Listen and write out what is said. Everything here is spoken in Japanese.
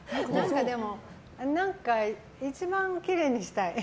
でも何か、一番きれいにしたい。